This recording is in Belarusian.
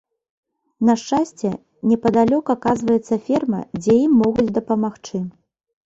На шчасце, непадалёк аказваецца ферма, дзе ім могуць дапамагчы.